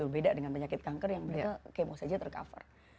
beda dengan penyakit kanker yang mereka kemau saja tercover